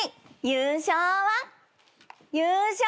優勝は。